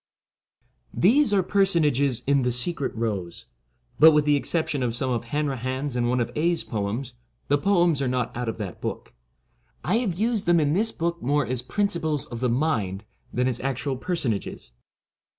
These are personages in ' The Secret Rose; ' but, with the exception of some of Hanrahan 's and one of Aedh's poems, the poems are not out of that book. I have used them in this book more as principles of the mind than as actual personages.